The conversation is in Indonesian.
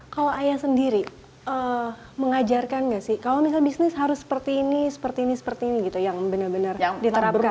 kalau ayah sendiri mengajarkan nggak sih kalau misalnya bisnis harus seperti ini seperti ini seperti ini gitu yang benar benar diterapkan